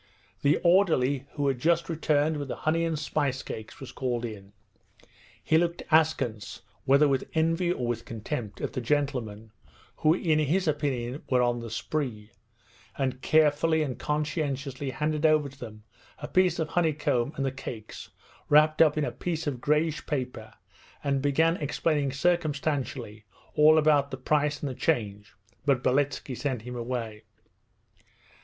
The orderly, who had just returned with the honey and spice cakes, was called in. He looked askance (whether with envy or with contempt) at the gentlemen, who in his opinion were on the spree; and carefully and conscientiously handed over to them a piece of honeycomb and the cakes wrapped up in a piece of greyish paper, and began explaining circumstantially all about the price and the change, but Beletski sent him away.